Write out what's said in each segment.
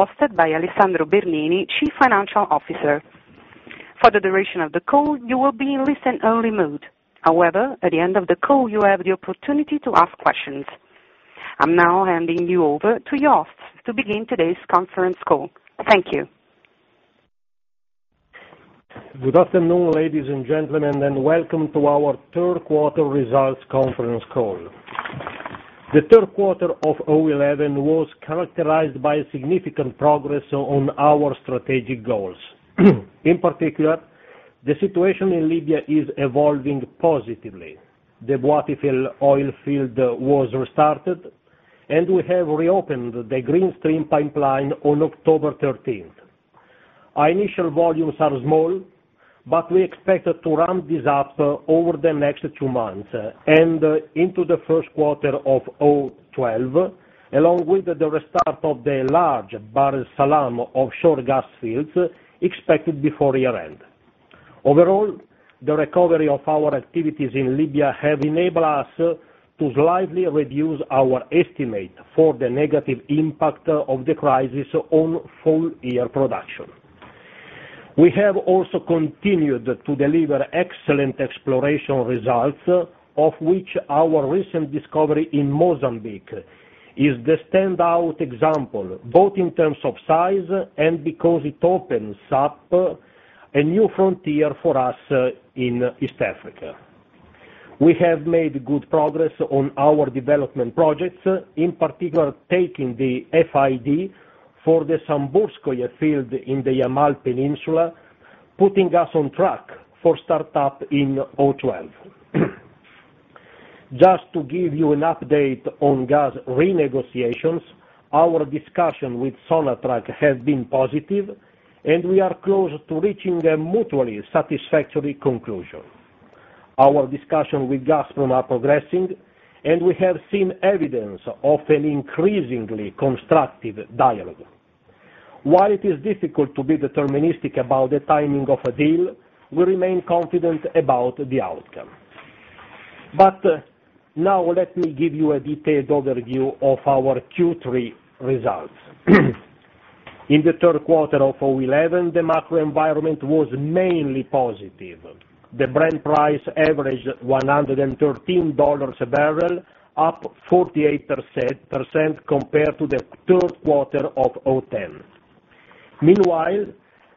Hosted by Alessandro Bernini, Chief Financial Officer. For the duration of the call, you will be in listen-only mode. However, at the end of the call, you have the opportunity to ask questions. I'm now handing you over to your hosts to begin today's conference call. Thank you. Good afternoon, ladies and gentlemen, and welcome to our third quarter results conference call. The third quarter of 2011 was characterized by significant progress on our strategic goals. In particular, the situation in Libya is evolving positively. The Bahr Es Salam oil field was restarted, and we have reopened the Greenstream pipeline on October 13. Our initial volumes are small, but we expect to ramp this up over the next two months and into the first quarter of 2012, along with the restart of the large Bahr Es Salam offshore gas fields expected before year-end. Overall, the recovery of our activities in Libya has enabled us to slightly reduce our estimate for the negative impact of the crisis on full-year production. We have also continued to deliver excellent exploration results, of which our recent discovery in Mozambique is the standout example, both in terms of size and because it opens up a new frontier for us in East Africa. We have made good progress on our development projects, in particular taking the FID for the Samburgskoye field in the Yamal Peninsula, putting us on track for startup in 2012. Just to give you an update on gas renegotiations, our discussion with Sonatrach has been positive, and we are close to reaching a mutually satisfactory conclusion. Our discussion with Gazprom is progressing, and we have seen evidence of an increasingly constructive dialogue. While it is difficult to be deterministic about the timing of a deal, we remain confident about the outcome. Now, let me give you a detailed overview of our Q3 results. In the third quarter of 2011, the macro environment was mainly positive. The Brent price averaged $113 a barrel, up 48% compared to the third quarter of 2010. Meanwhile,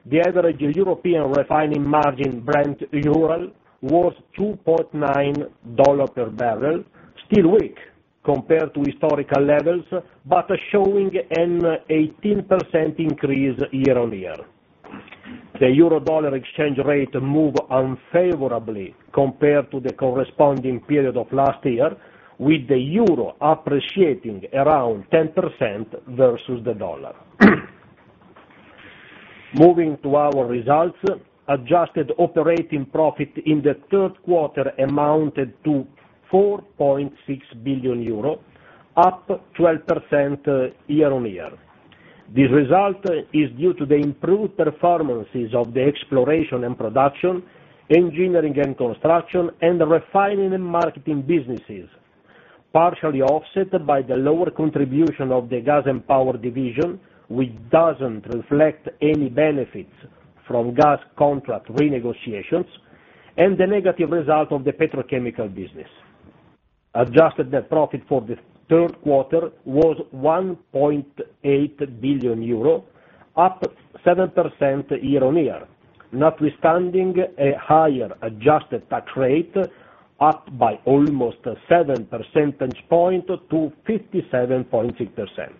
the average European refining margin, [Brent/Ural], was $2.90 per barrel, still weak compared to historical levels, but showing an 18% increase year on year. The euro/dollar exchange rate moved unfavorably compared to the corresponding period of last year, with the euro appreciating around 10% versus the dollar. Moving to our results, adjusted operating profit in the third quarter amounted to 4.6 billion euro, up 12% year on year. This result is due to the improved performances of the exploration and production, engineering and construction, and refining and marketing businesses, partially offset by the lower contribution of the gas and power division, which doesn't reflect any benefits from gas contract renegotiations, and the negative result of the petrochemical business. Adjusted net profit for the third quarter was 1.8 billion euro, up 7% year on year, notwithstanding a higher adjusted tax rate, up by almost 7 percentage points to 57.6%.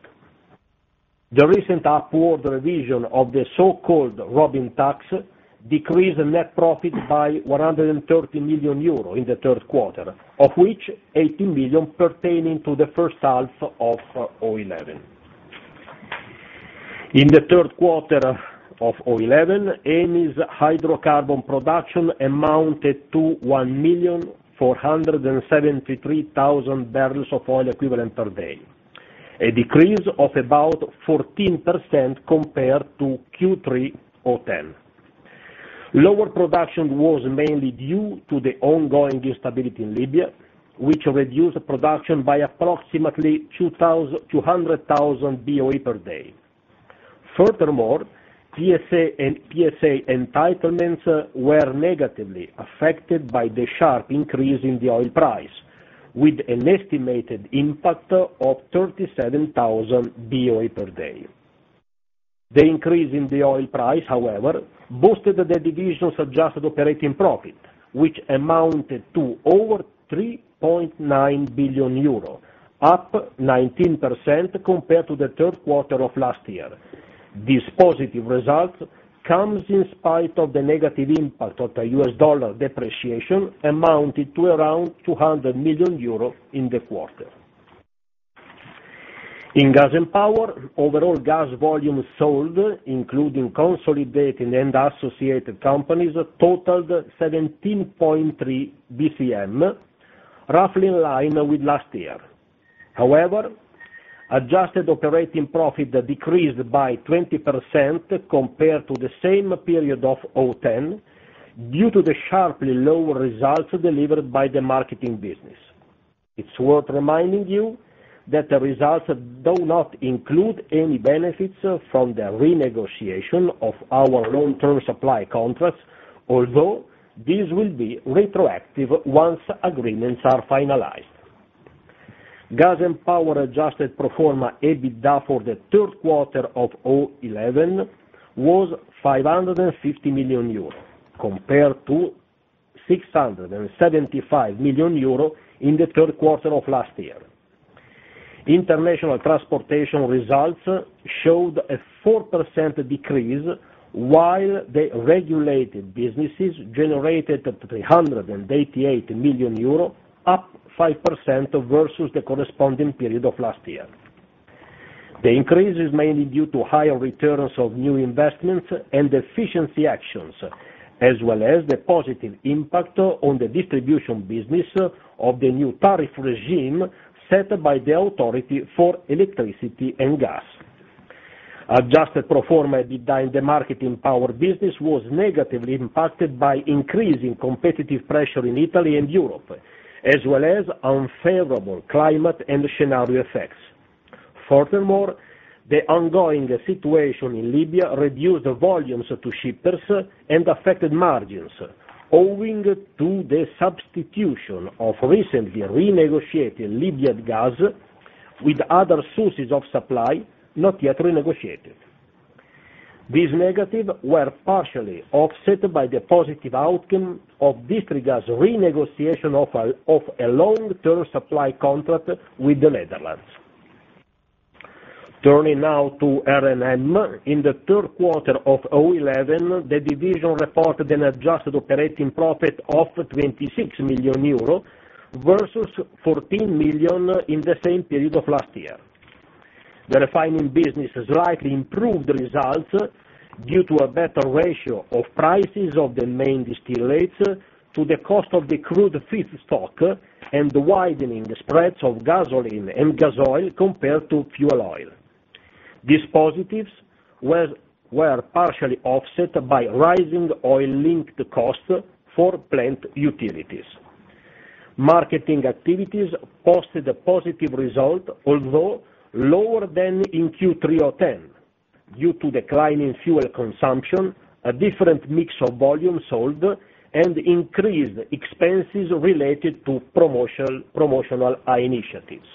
The recent upward revision of the so-called Robin tax decreased net profit by 130 million euro in the third quarter, of which 18 million pertaining to the first half of 2011. In the third quarter of 2011, Eni's hydrocarbon production amounted to 1,473,000 barrels of oil equivalent per day, a decrease of about 14% compared to Q3 2010. Lower production was mainly due to the ongoing instability in Libya, which reduced production by approximately 200,000 BOE per day. Furthermore, PSA and PSA entitlements were negatively affected by the sharp increase in the oil price, with an estimated impact of 37,000 BOE per day. The increase in the oil price, however, boosted the division's adjusted operating profit, which amounted to over 3.9 billion euro, up 19% compared to the third quarter of last year. This positive result comes in spite of the negative impact of the U.S. dollar depreciation, amounting to around 200 million euros in the quarter. In gas and power, overall gas volumes sold, including Consolidated and Associated companies, totaled 17.3 bcm, roughly in line with last year. However, adjusted operating profit decreased by 20% compared to the same period of 2010 due to the sharply lower results delivered by the marketing business. It's worth reminding you that the results do not include any benefits from the renegotiation of our long-term supply contracts, although these will be retroactive once agreements are finalized. Gas and power adjusted pro forma EBITDA for the third quarter of 2011 was 550 million euros, compared to 675 million euros in the third quarter of last year. International transportation results showed a 4% decrease, while the regulated businesses generated 388 million euro, up 5% versus the corresponding period of last year. The increase is mainly due to higher returns of new investments and efficiency actions, as well as the positive impact on the distribution business of the new tariff regime set by the Authority for Electricity and Gas. Adjusted pro forma EBITDA in the marketing power business was negatively impacted by increasing competitive pressure in Italy and Europe, as well as unfavorable climate and scenario effects. Furthermore, the ongoing situation in Libya reduced volumes to shippers and affected margins, owing to the substitution of recently renegotiated Libyan gas with other sources of supply not yet renegotiated. These negatives were partially offset by the positive outcome of this gas renegotiation of a long-term supply contract with the Netherlands. Turning now to R&M, in the third quarter of 2011, the division reported an adjusted operating profit of 26 million euro versus 14 million in the same period of last year. The refining business has rightly improved the results due to a better ratio of prices of the main distillates to the cost of the crude feedstock and widening the spreads of gasoline and gasoil compared to fuel oil. These positives were partially offset by rising oil-linked costs for plant utilities. Marketing activities posted a positive result, although lower than in Q3 2010 due to declining fuel consumption, a different mix of volumes sold, and increased expenses related to promotional initiatives.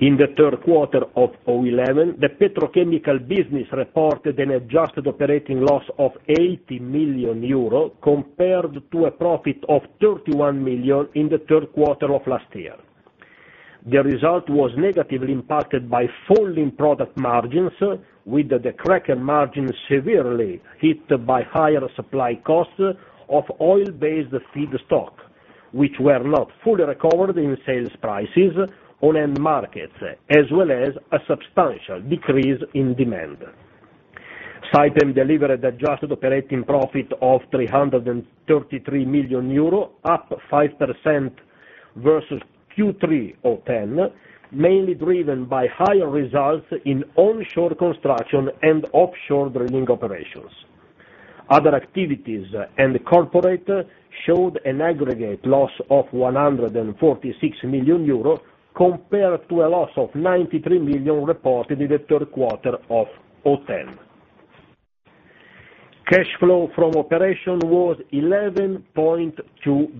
In the third quarter of 2011, the petrochemical business reported an adjusted operating loss of 80 million euro, compared to a profit of 31 million in the third quarter of last year. The result was negatively impacted by falling product margins, with the cracking margins severely hit by higher supply costs of oil-based feedstocks, which were not fully recovered in sales prices on end markets, as well as a substantial decrease in demand. Slide 10 delivers an adjusted operating profit of 333 million euro, up 5% versus Q3 2010, mainly driven by higher results in onshore construction and offshore drilling operations. Other activities and corporate showed an aggregate loss of 146 million euro, compared to a loss of 93 million reported in the third quarter of 2010. Cash flow from operation was 11.2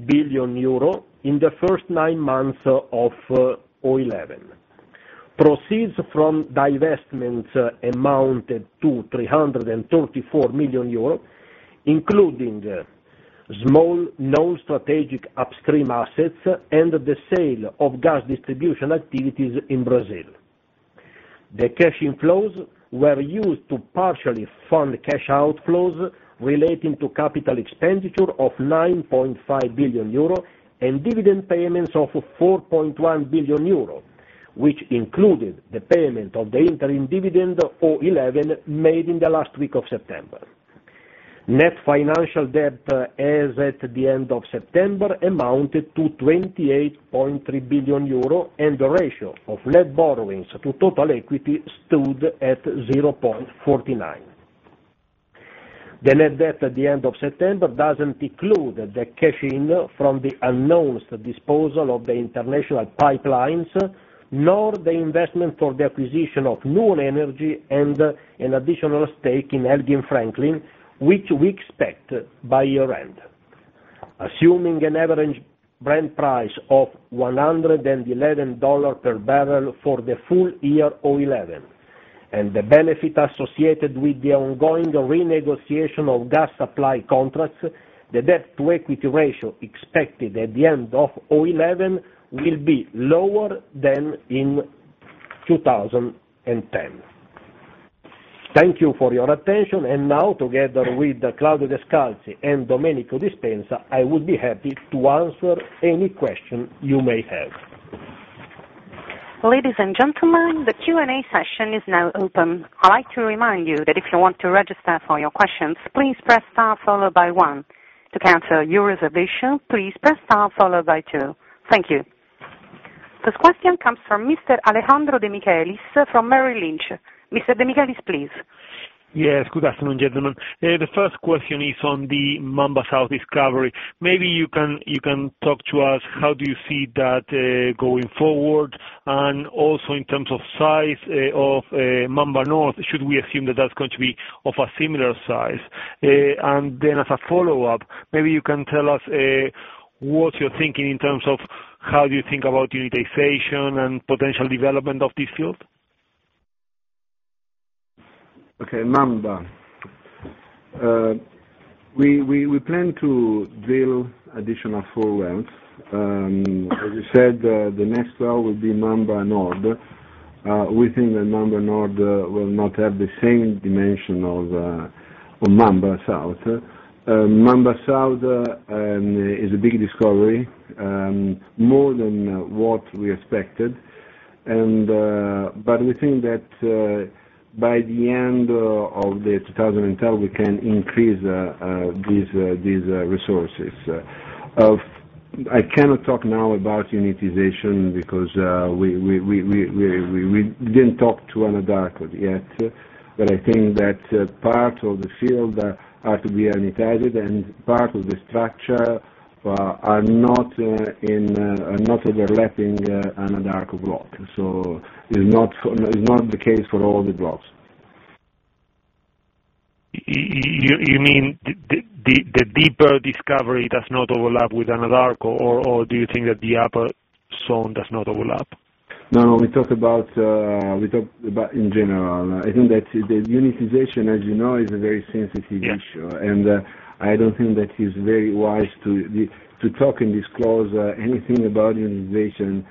billion euro in the first nine months of 2011. Proceeds from divestments amounted to 334 million euros, including small non-strategic upstream assets and the sale of gas distribution activities in Brazil. The cash inflows were used to partially fund cash outflows relating to capital expenditure of 9.5 billion euro and dividend payments of 4.1 billion euro, which included the payment of the interim dividend 2011 made in the last week of September. Net financial debt as at the end of September amounted to 28.3 billion euro, and the ratio of net borrowings to total equity stood at 0.49. The net debt at the end of September doesn't include the cash in from the announced disposal of the international pipelines, nor the investment for the acquisition of Nuon Energy and an additional stake in Elgin-Franklin, which we expect by year-end. Assuming an average Brent price of $111 per barrel for the full year 2011 and the benefit associated with the ongoing renegotiation of gas supply contracts, the debt-to-equity ratio expected at the end of 2011 will be lower than in 2010. Thank you for your attention, and now, together with Claudio Descalzi and Domenico Dispenza, I would be happy to answer any question you may have. Ladies and gentlemen, the Q&A session is now open. I'd like to remind you that if you want to register for your questions, please press star followed by one. To cancel your reservation, please press star followed by two. Thank you. First question comes from Mr. Alejandro Demichelis from Merrill Lynch. Mr. Demichelis, please. Yes, good afternoon, gentlemen. The first question is on the Mamba South discovery. Maybe you can talk to us how you see that going forward, and also in terms of size of Mamba North, should we assume that that's going to be of a similar size? As a follow-up, maybe you can tell us what you're thinking in terms of how do you think about unitization and potential development of this field? Okay, Mamba. We plan to drill additional four wells. As you said, the next well will be Mamba North. We think that Mamba North will not have the same dimension of Mamba South. Mamba South is a big discovery, more than what we expected. We think that by the end of 2012, we can increase these resources. I cannot talk now about unitization because we didn't talk to Anadarko yet. I think that part of the field has to be unitized, and part of the structure is not in the Anadarko block. It's not the case for all the blocks. You mean the deeper discovery does not overlap with Anadarko, or do you think that the upper zone does not overlap? No, no, we talk about in general. I think that the unitization, as you know, is a very sensitive issue, and I don't think that it's very wise to talk and disclose anything about unitization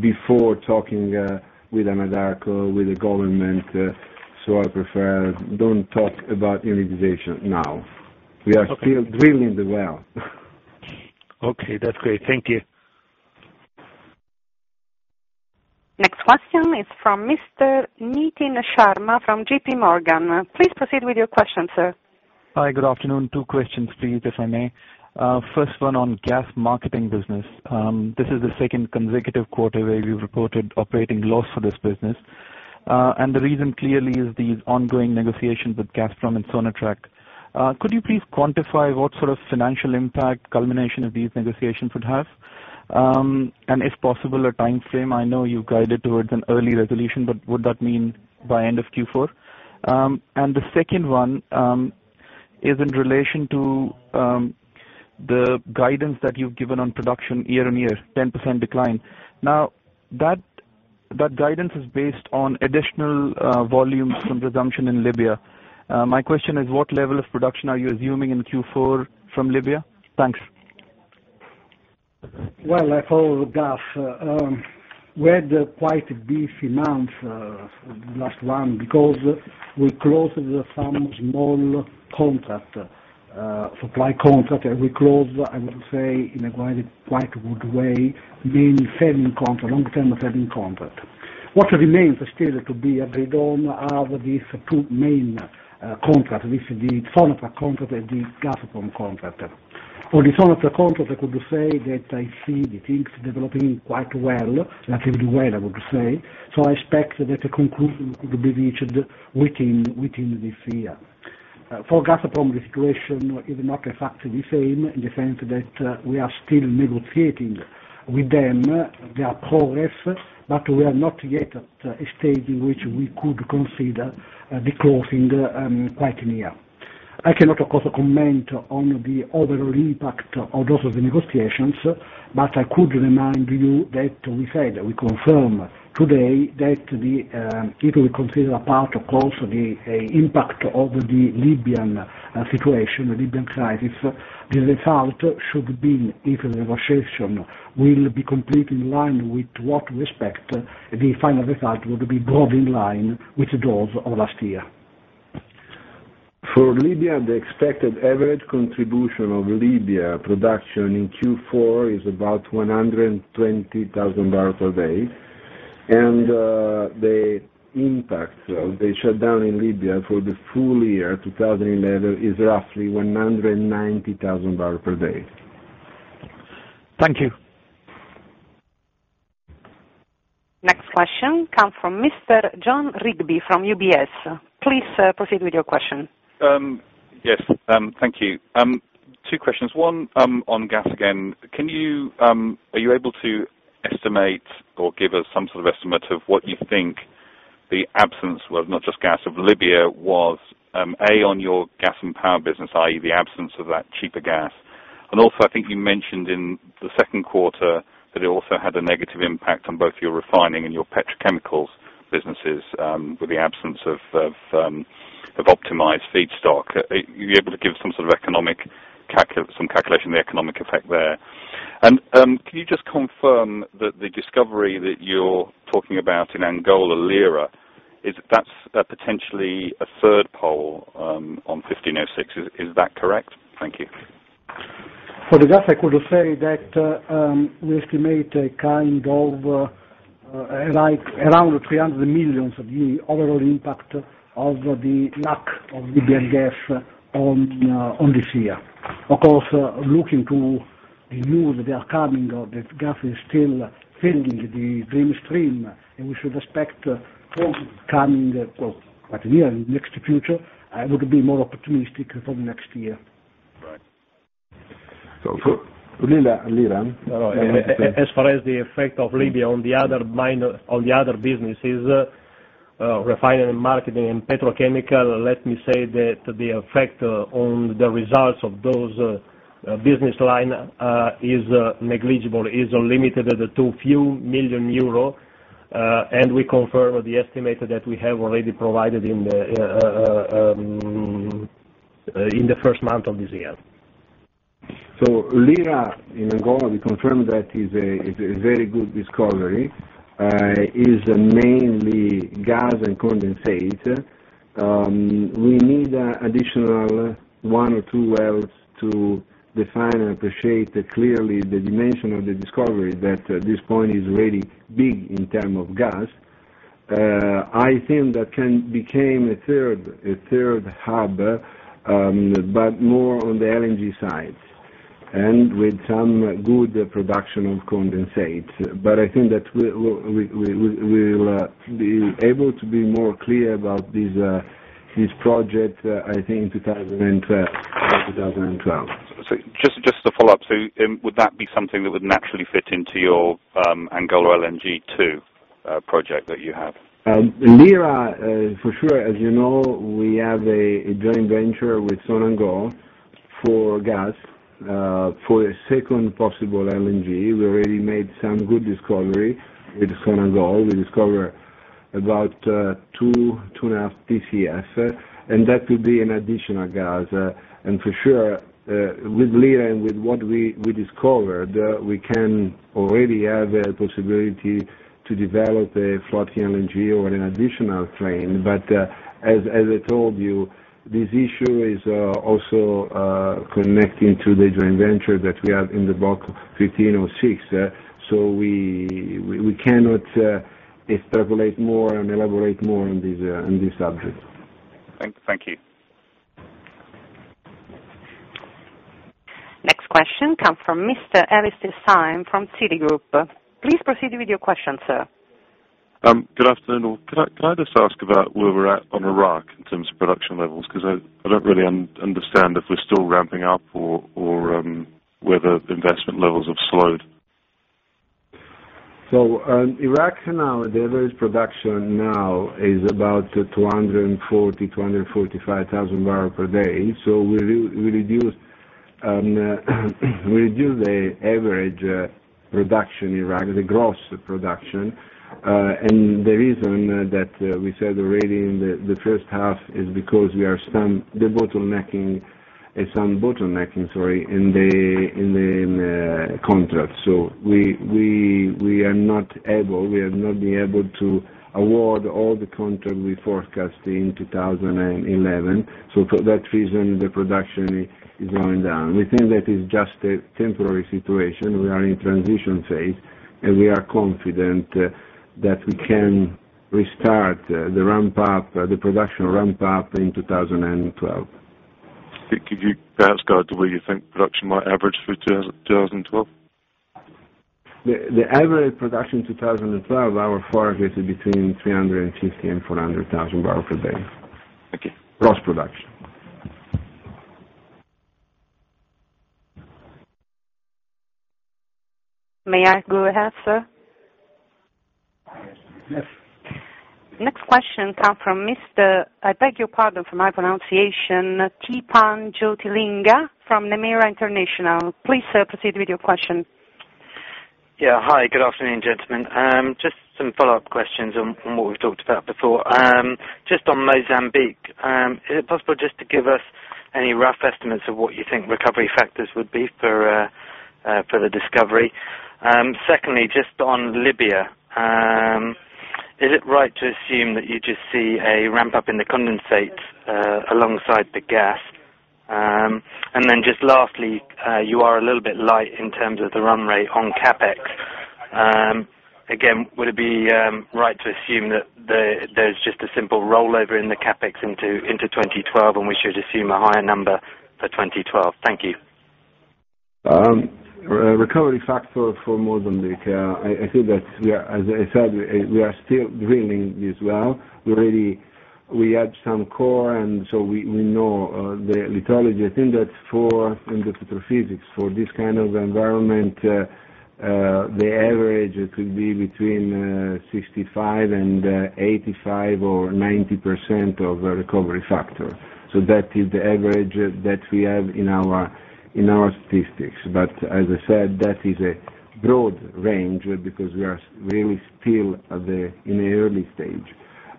before talking with Anadarko, with the government. I prefer don't talk about unitization now. We are still drilling the well. Okay, that's great. Thank you. Next question is from Mr. Nitin Sharma from JPMorgan. Please proceed with your question, sir. Hi, good afternoon. Two questions, please, if I may. First one on gas marketing business. This is the second consecutive quarter where we've reported operating loss for this business. The reason clearly is these ongoing negotiations with Gazprom and Sonatrach. Could you please quantify what sort of financial impact culmination of these negotiations would have? If possible, a timeframe? I know you've guided towards an early resolution, but would that mean by end of Q4? The second one is in relation to the guidance that you've given on production year on year, 10% decline. That guidance is based on additional volumes from resumption in Libya. My question is, what level of production are you assuming in Q4 from Libya? Thanks. I follow GAF. We had quite a beefy month in the last one because we closed some small supply contract. We closed, I would say, in a quite good way, mainly long-term fading contract. What remains still to be agreed on are these two main contracts, which are the Sonatrach contract and the Gazprom contract. On the Sonatrach contract, I could say that I see the things developing quite well, relatively well, I would say. I expect that the conclusion could be reached within this year. For Gazprom, the situation is not exactly the same in the sense that we are still negotiating with them. There is progress, but we are not yet at a stage in which we could consider the closing quite near. I cannot, of course, comment on the overall impact of those negotiations, but I could remind you that we said we confirmed today that if we consider apart, of course, the impact of the Libyan situation, the Libyan crisis, the result should be if the negotiation will be complete in line with what we expect, the final result would be broadly in line with those of last year. For Libya, the expected average contribution of Libya production in Q4 is about 120,000 barrels per day. The impact of the shutdown in Libya for the full year 2011 is roughly 190,000 barrels per day. Thank you. Next question comes from Mr. John Reade from UBS. Please proceed with your question. Yes, thank you. Two questions. One, on gas again. Can you, are you able to estimate or give us some sort of estimate of what you think the absence of, not just gas, of Libya was, A, on your gas and power business, i.e., the absence of that cheaper gas? Also, I think you mentioned in the second quarter that it also had a negative impact on both your refining and your petrochemicals businesses with the absence of optimized feedstock. Are you able to give some sort of calculation of the economic effect there? Can you just confirm that the discovery that you're talking about in Angola, Lira, that's potentially a third pole on 15/06? Is that correct? Thank you. For the gas, I could say that we estimate a kind of around $300 million for the overall impact of the lack of Libyan gas on this year. Of course, looking to the news that they are coming, that gas is still filling the Greenstream, and we should expect closing coming quite near in the next future. I would be more opportunistic for the next year. Right. As far as the effect of Libya on the other businesses, refining, marketing, and petrochemical, let me say that the effect on the results of those business lines is negligible, is limited to a few million euros. We confirm the estimate that we have already provided in the first month of this year. In Angola, we confirm that is a very good discovery. It is mainly gas and condensate. We need additional one or two wells to define and appreciate clearly the dimension of the discovery that at this point is really big in terms of gas. I think that can become a third hub, more on the LNG sites and with some good production of condensate. I think that we will be able to be more clear about this project, I think, in 2012. Would that be something that would naturally fit into your Angola LNG 2 project that you have? Lira, for sure. As you know, we have a joint venture with Sonangol for gas for a second possible LNG. We already made some good discoveries with Sonangol. We discovered about 2 Bcf, 2.5 Bcf. That could be an additional gas. With Lira and with what we discovered, we can already have a possibility to develop a floating LNG or an additional train. As I told you, this issue is also connected to the joint venture that we have in Block 15/06. We cannot extrapolate more and elaborate more on this subject. Thank you. Next question comes from Alastair Syme from Citigroup. Please proceed with your question, sir. Good afternoon. Could I just ask about where we're at on Iraq in terms of production levels? I don't really understand if we're still ramping up or whether investment levels have slowed. Iraq now, the average production now is about 240,000, 245,000 barrels per day. We reduce the average production in Iraq, the gross production. The reason that we said already in the first half is because we have some bottlenecking in the contracts. We are not able, we have not been able to award all the contracts we forecast in 2011. For that reason, the production is going down. We think that is just a temporary situation. We are in a transition phase, and we are confident that we can restart the ramp-up, the production ramp-up in 2012. Could you perhaps go to where you think production might average for 2012? The average production in 2012, our forecast is between 350,000 and 400,000 barrels per day. Okay. Gross production. May I go ahead, sir? Next question comes from Mr. Theepan Jothilingam from Nomura International. Please proceed with your question. Yeah. Hi. Good afternoon, gentlemen. Just some follow-up questions on what we've talked about before. Just on Mozambique, is it possible just to give us any rough estimates of what you think recovery factors would be for the discovery? Secondly, just on Libya, is it right to assume that you just see a ramp-up in the condensate alongside the gas? Lastly, you are a little bit light in terms of the run rate on CapEx. Again, would it be right to assume that there's just a simple rollover in the CapEx into 2012, and we should assume a higher number for 2012? Thank you. Recovery factor for Mozambique, I think that, as I said, we are still drilling this well. We really, we had some core, and so we know the lithology. I think that for the petrophysics, for this kind of environment, the average could be between 65% and 85% or 90% of recovery factor. That is the average that we have in our statistics. As I said, that is a broad range because we are really still in the early stage.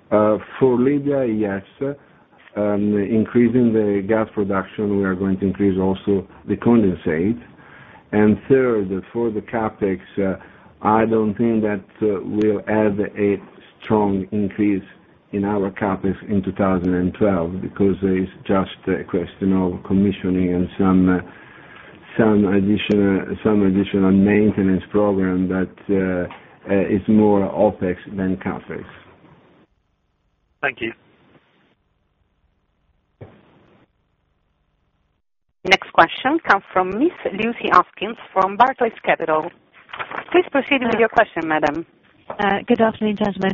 For Libya, yes, increasing the gas production, we are going to increase also the condensate. For the CapEx, I don't think that we'll have a strong increase in our CapEx in 2012 because it's just a question of commissioning and some additional maintenance program that is more OpEx than CapEx. Thank you. Next question comes from Ms. Lucy Haskins from Barclays Capital. Please proceed with your question, madam. Good afternoon, gentlemen.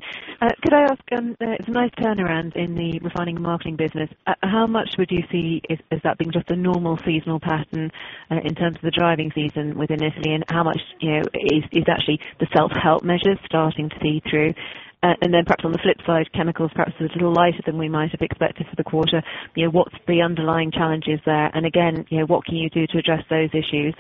Could I ask, in the refining and marketing business, how much would you see as that being just a normal seasonal pattern in terms of the driving season within Italy, and how much is actually the self-help measures starting to see through? Perhaps on the flip side, chemicals, perhaps it's a little lighter than we might have expected for the quarter. What's the underlying challenges there? Again, what can you do to address those issues?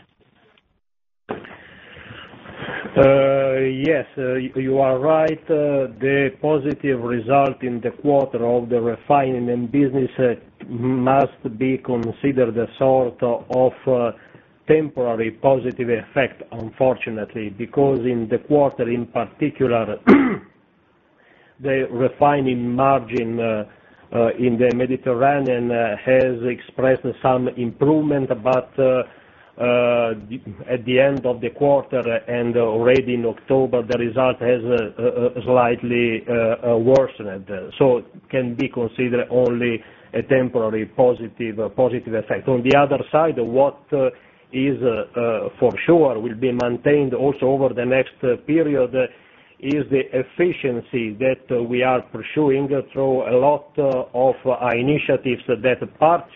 Yes, you are right. The positive result in the quarter of the refining and business must be considered a sort of temporary positive effect, unfortunately, because in the quarter in particular, the refining margin in the Mediterranean has expressed some improvement. At the end of the quarter and already in October, the result has slightly worsened. It can be considered only a temporary positive effect. On the other side, what is for sure will be maintained also over the next period is the efficiency that we are pursuing through a lot of initiatives that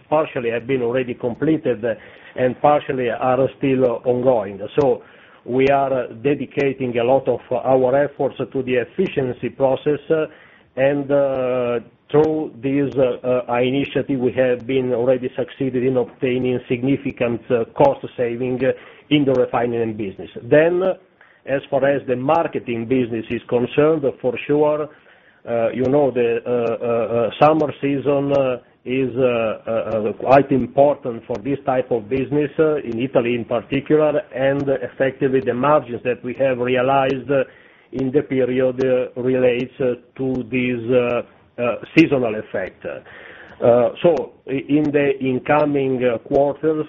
partially have been already completed and partially are still ongoing. We are dedicating a lot of our efforts to the efficiency process. Through this initiative, we have been already succeeded in obtaining significant cost saving in the refining and business. As far as the marketing business is concerned, for sure, you know the summer season is quite important for this type of business in Italy in particular. Effectively, the margins that we have realized in the period relate to this seasonal effect. In the incoming quarters,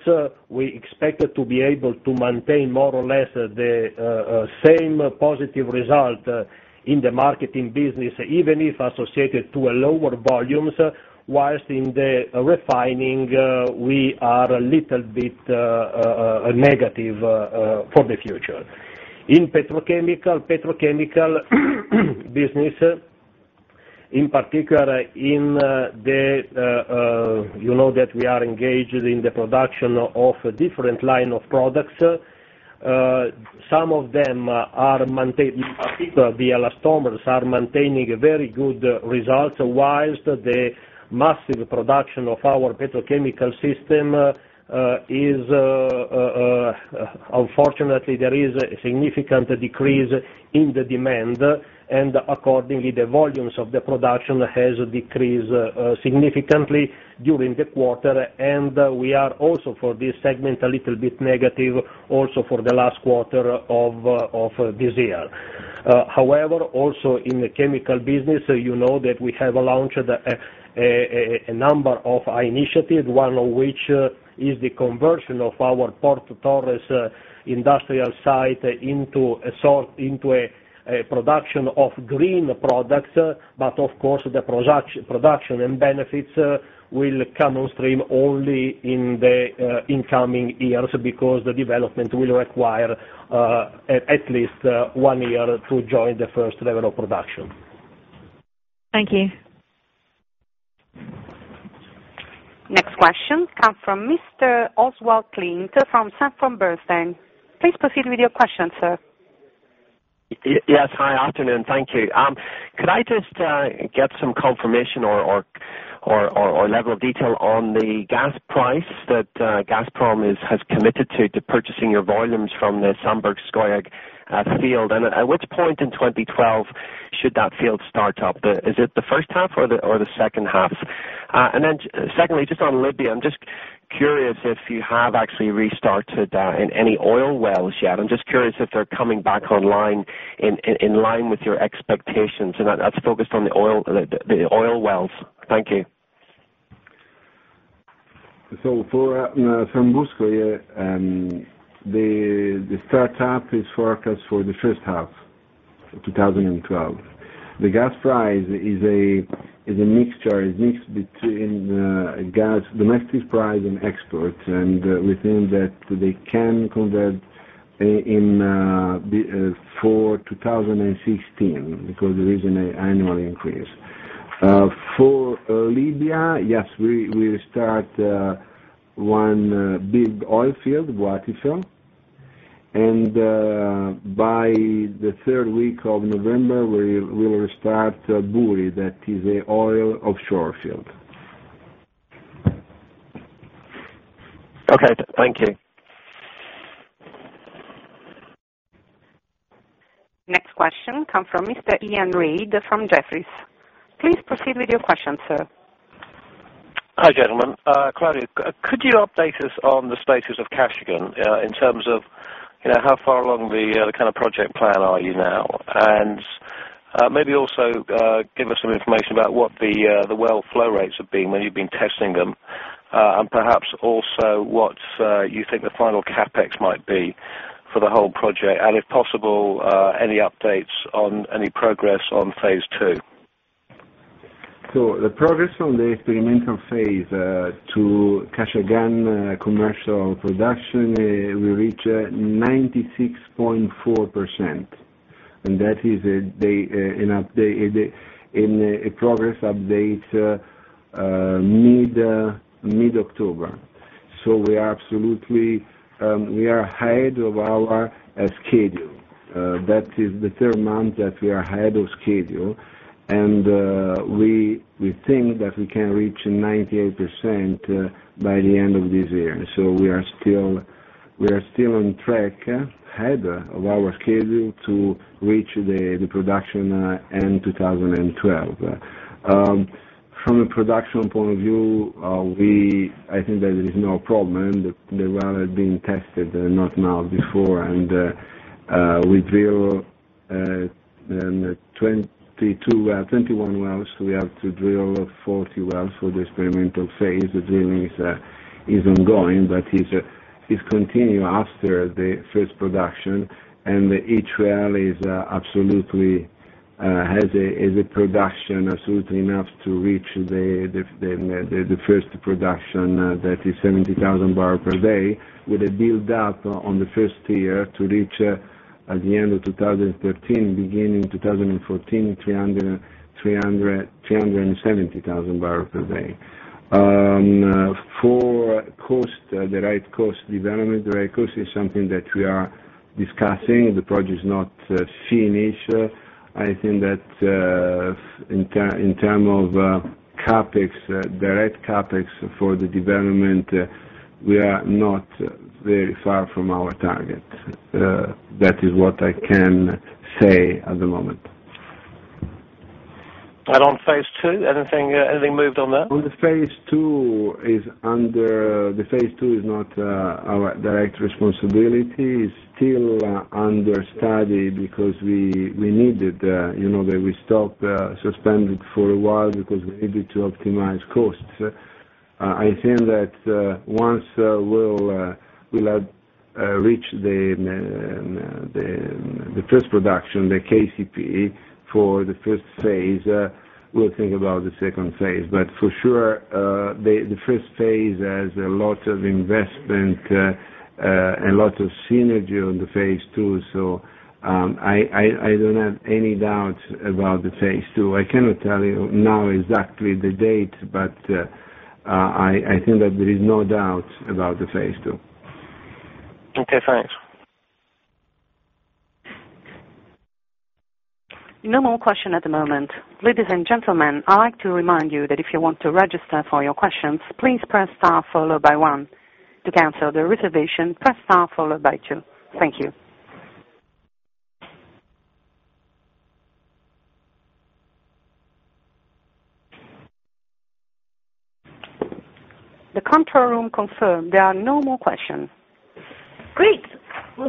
we expect to be able to maintain more or less the same positive result in the marketing business, even if associated to lower volumes, whilst in the refining, we are a little bit negative for the future. In petrochemical business, in particular, you know that we are engaged in the production of different lines of products. Some of them are maintained, in particular, the elastomers are maintaining very good results, whilst the massive production of our petrochemical system is, unfortunately, there is a significant decrease in the demand. Accordingly, the volumes of the production have decreased significantly during the quarter. We are also, for this segment, a little bit negative also for the last quarter of this year. However, also in the chemical business, you know that we have launched a number of initiatives, one of which is the conversion of our Porto Torres industrial site into a sort into a production of green products. Of course, the production and benefits will come on stream only in the incoming years because the development will require at least one year to join the first level of production. Thank you. Next question comes from Mr. Oswald Clint from Sanford Bernstein. Please proceed with your question, sir. Yes, hi, afternoon. Thank you. Could I just get some confirmation or level of detail on the gas price that Gazprom has committed to purchasing your volumes from the Samburgskoye field? At which point in 2012 should that field start up? Is it the first half or the second half? Secondly, just on Libya, I'm just curious if you have actually restarted in any oil wells yet. I'm just curious if they're coming back online in line with your expectations. That's focused on the oil wells. Thank you. For Samburgskoye, the startup is focused for the first half of 2012. The gas price is a mixture. It's mixed between the massive price and export. Within that, they can convert in for 2016 because there is an annual increase. For Libya, yes, we start one big oil field, Bahr Essalam. By the third week of November, we will restart Boui. That is the oil offshore field. Okay, thank you. Next question comes from Mr. Iain Reid from Jefferies. Please proceed with your question, sir. Hi, gentlemen. Claudio, could you update us on the status of Kashagan in terms of how far along the kind of project plan are you now? Maybe also give us some information about what the well flow rates have been when you've been testing them, and perhaps also what you think the final CapEx might be for the whole project, and if possible, any updates on any progress on phase II? The progress on the experimental phase to Kashagan commercial production, we reached 96.4%. That is a progress update mid-October. We are absolutely ahead of our schedule. That is the third month that we are ahead of schedule. We think that we can reach 98% by the end of this year. We are still on track, ahead of our schedule, to reach the production end 2012. From a production point of view, I think that there is no problem. The well has been tested, not now, before. We drill 21 wells. We have to drill 40 wells for the experimental phase. The drilling is ongoing, but it continues after the first production. Each well has a production absolutely enough to reach the first production that is 70,000 barrels per day, with a build-up on the first year to reach, at the end of 2013, beginning 2014, 370,000 barrels per day. For the right cost development, the right cost is something that we are discussing. The project is not finished. I think that in terms of direct CapEx for the development, we are not very far from our target. That is what I can say at the moment. On phase II, anything moved on that? Phase II is not our direct responsibility. It's still under study because we needed, you know, that we stopped suspending for a while because we needed to optimize costs. I think that once we'll have reached the first production, the KCP for the first phase, we'll think about the second phase. The first phase has a lot of investment and a lot of synergy on the phase II. I don't have any doubts about the phase II. I cannot tell you now exactly the date, but I think that there is no doubt about the phase II. Okay, thanks. No more questions at the moment. Ladies and gentlemen, I'd like to remind you that if you want to register for your questions, please press star followed by one. To cancel the reservation, press star followed by two. Thank you. The control room confirmed there are no more questions. Great.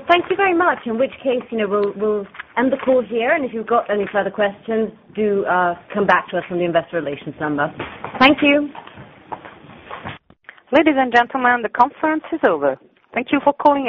Thank you very much. In which case, you know we'll end the call here. If you've got any further questions, do come back to us on the Investor Relations number. Thank you. Ladies and gentlemen, the conference is over. Thank you for calling.